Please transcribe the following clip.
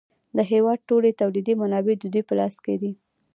د هېواد ټولې تولیدي منابع د دوی په لاس کې دي